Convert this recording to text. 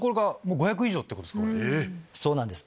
そうなんです